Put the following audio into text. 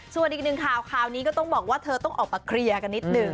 สวัสดีค่ะคราวนี่ก็ต้องบอกว่าเธอต้องออกมาเคลียร์กันนิดหนึ่ง